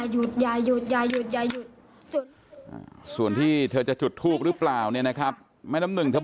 อย่าจุดขอร้องจุดเถอะขอร้องขอร้องขอร้องขอร้องขอร้องขอร้อง